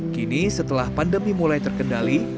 kini setelah pandemi mulai terkendali